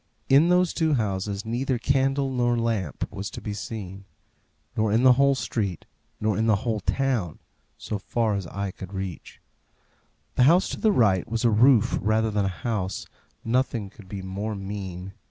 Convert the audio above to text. In those two houses neither candle nor lamp was to be seen; nor in the whole street; nor in the whole town, so far as eye could reach. The house to the right was a roof rather than a house; nothing could be more mean.